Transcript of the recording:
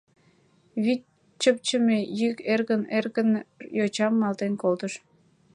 Вӱд чыпчыме йӱк эркын-эркын йочам малтен колтыш.